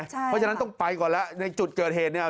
เพราะฉะนั้นต้องไปก่อนแล้วในจุดเกิดเหตุเนี่ย